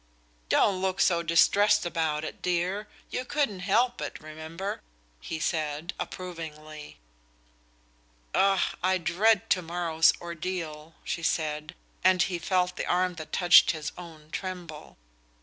"Don't look so distressed about it, dear. You couldn't help it, remember," he said, approvingly. "Ach, I dread to morrow's ordeal!" she said, and he felt the arm that touched his own tremble.